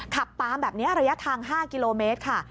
ขับตามแบบนี้ระยะทาง๕กิโลเมตรค่ะ